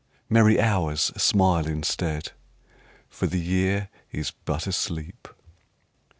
Merry Hours, smile instead, For the Year is but asleep.